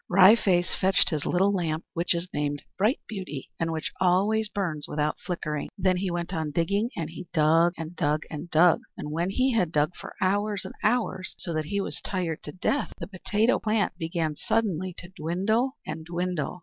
Wry Face fetched his little lamp, which is named Bright Beauty, and which always burns without flickering. Then he went on digging, and he dug, and dug, and dug. And when he had dug for hours and hours, so that he was tired to death, the potato plant began suddenly to dwindle and dwindle.